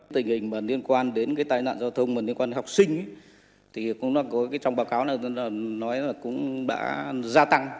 tình hình liên quan đến tài nạn giao thông liên quan đến học sinh trong báo cáo nói cũng đã gia tăng